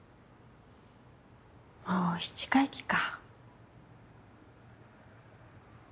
もう七回忌か。